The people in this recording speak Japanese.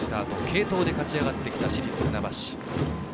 継投で勝ち上がってきた市立船橋。